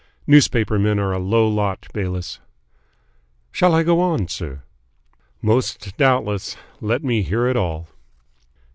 Newspaper men are a low lot, Bayliss." "Shall I go on, sir?" "Most doubtless. Let me hear all."